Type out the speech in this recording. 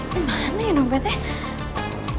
di mana ya dompetnya